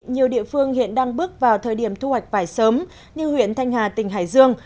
nhiều địa phương hiện đang bước vào thời điểm thu hoạch vải sớm như huyện thanh hà tỉnh hải dương